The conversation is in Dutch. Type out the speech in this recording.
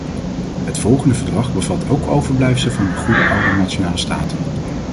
Het volgende verdrag bevat ook overblijfselen van de goede oude nationale staten.